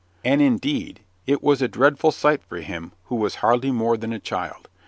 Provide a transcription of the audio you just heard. And, indeed, it was a dreadful sight for him who was hardly more than a child.